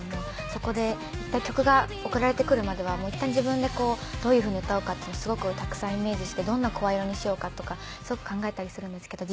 そこでいったん曲が送られてくるまでは自分でどういうふうに歌うかっていうのをすごくたくさんイメージしてどんな声色にしようかとかすごく考えたりするんですけど。